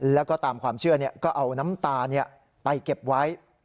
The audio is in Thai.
แล้วก็ตามความเชื่อก็เอาน้ำตาไปเก็บไว้